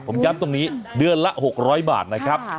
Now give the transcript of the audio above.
ผมย้ำตรงนี้เดือนละ๖๐๐บาทนะครับ